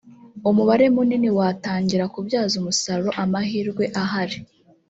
umubare munini watangira kubyaza umusaruro amahirwe ahari